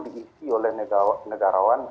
diisi oleh negarawan